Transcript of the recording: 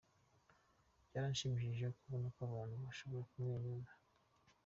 Byaranshimishije kubona ko abantu bashobora kumwenyura.